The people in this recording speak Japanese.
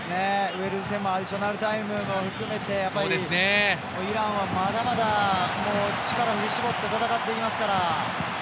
ウェールズ戦もアディショナルタイムも含めてイランはまだまだ力、振り絞って戦ってきますから。